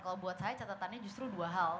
kalau buat saya catatannya justru dua hal